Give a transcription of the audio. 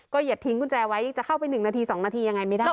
อย่าทิ้งกุญแจไว้จะเข้าไป๑นาที๒นาทียังไงไม่ได้